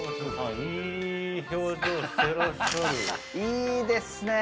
いいですね！